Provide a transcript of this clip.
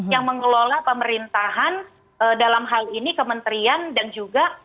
yang mengelola pemerintahan dalam hal ini kementerian dan juga